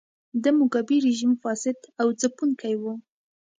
د موګابي رژیم فاسد او ځپونکی و.